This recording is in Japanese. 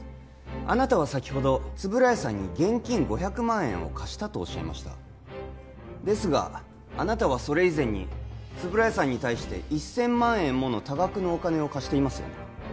あなたは先ほど円谷さんに現金５００万円を貸したとおっしゃいましたですがあなたはそれ以前に円谷さんに対して１０００万円もの多額のお金を貸していますよね